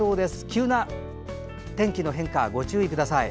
急な天気の変化、ご注意ください。